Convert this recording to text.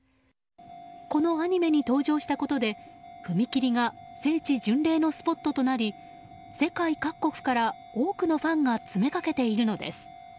このアニメに登場したことで踏切が聖地巡礼のスポットとなり世界各国から多くのファンが詰めかけているのです。